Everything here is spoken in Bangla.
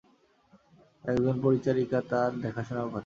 একজন পরিচারিকা তার দেখাশোনা করে।